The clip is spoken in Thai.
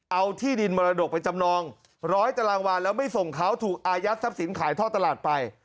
เอาที่ดินมรดกไปจำนองร้อยตารางวานแล้วไม่ส่งเขาถูกอายัดทรัพย์สินขายท่อตลาดไป